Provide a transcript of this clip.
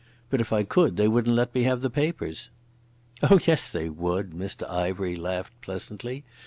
But if I could they wouldn't let me have the papers." "Oh yes they would." Mr Ivery laughed pleasantly.